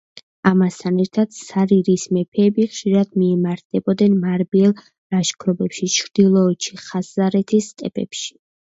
ამასთან ერთად სარირის მეფეები ხშირად მიემართებოდნენ მარბიელ ლაშქრობებში ჩრდილოეთში, ხაზარეთის სტეპებში.